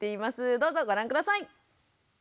どうぞご覧下さい。